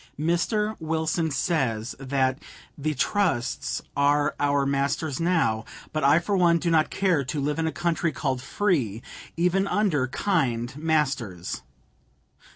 Mr. Wilson says that "the trusts are our masters now, but I for one do not care to live in a country called free even under kind masters."